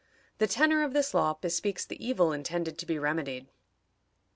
The tenor of this law bespeaks the evil intended to be remedied.